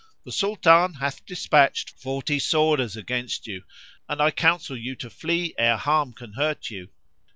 The Sultan hath despatched forty sworders against you and I counsel you to flee ere harm can hurt you."